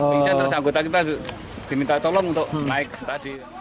pingsan terus anggota kita diminta tolong untuk naik tadi